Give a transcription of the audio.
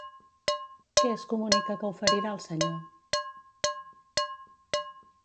Què es comunica que oferirà el Senyor?